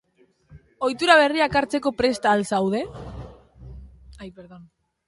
Ohitura berriak hartzeko prest al zaude?